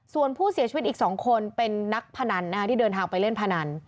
ส่วนผู้เสียชีวิตอีก๒คนเป็นนักพนันที่เดินทางไปเล่นพนัน